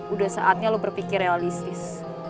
udah saatnya lo berpikir realistis